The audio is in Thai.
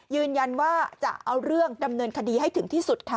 ยืนยันว่าจะเอาเรื่องดำเนินคดีให้ถึงที่สุดค่ะ